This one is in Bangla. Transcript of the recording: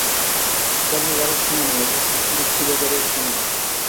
কর্মভারের সীমা নেই, অথচ মুক্তিবেগেরও সীমা নেই।